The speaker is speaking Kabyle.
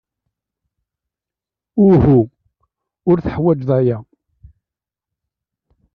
Uhu, ur teḥwajeḍ aya.